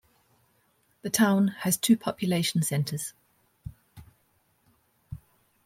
The town has two population centers.